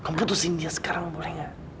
kamu putusin dia sekarang boleh gak